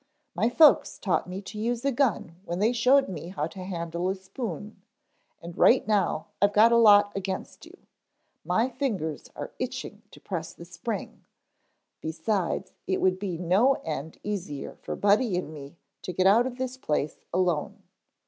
My folks taught me to use a gun when they showed me how to handle a spoon, and right now I've got a lot against you; my fingers are itching to press the spring, besides it would be no end easier for Buddy and me to get out of this place alone.